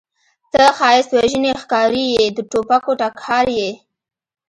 ته ښایست وژنې ښکارې یې د توپکو ټکهار یې